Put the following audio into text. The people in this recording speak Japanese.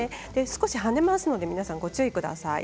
少しはねますので皆さんご注意ください。